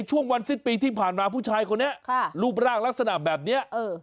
ช่วงวันสิ้นปีที่ผ่านมาผู้ชายคนนี้ค่ะรูปร่างลักษณะแบบนี้